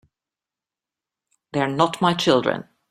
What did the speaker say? They're not my children.